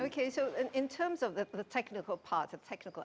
oke jadi dalam hal teknisnya